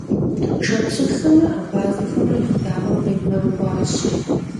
Шапсыгъхэмрэ абазэхэхэмрэ быдапӀэм къебгъэрыкӀуащ.